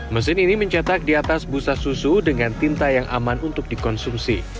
mesin ini mencetak di atas busa susu dengan tinta yang aman untuk dikonsumsi